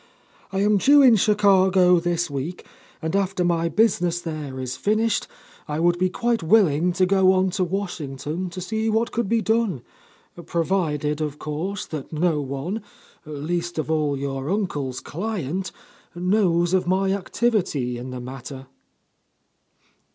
I am due in Chi cago this week, and after my business there is finished, I would be quite willing to go on to Washington to see what can be done ; provided, of course, that no one, least of all your uncle's client, knows of my activity in the matter."